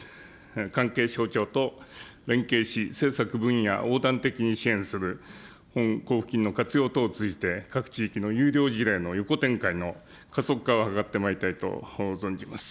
関係省庁と連携し、政策分野を横断的に支援する、本交付金の活用等を通じて、各地域の優良事例の横展開の加速化を図ってまいりたいと存じます。